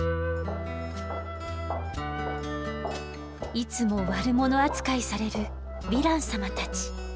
いつも悪者扱いされるヴィラン様たち。